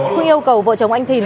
phương yêu cầu vợ chồng anh thìn